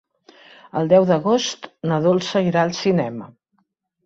El deu d'agost na Dolça irà al cinema.